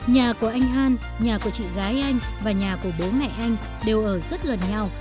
nhà của anh an nhà của chị gái anh và nhà của bố mẹ anh đều ở rất gần nhau